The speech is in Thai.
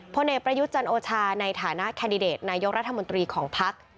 พลเอกประยุทธ์จันโอชาในฐานะแคนดิเดตนายกรัฐมนตรีของภักดิ์